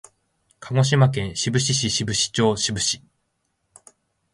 鹿児島県志布志市志布志町志布志